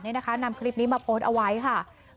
ไว้กับลูกค้าเพราะอยู่ที่ได้